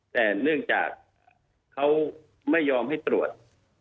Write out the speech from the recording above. แต่เนื่องจากเขาไม่ยอมให้ตรวจ